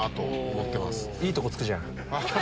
いいとこ突くじゃん。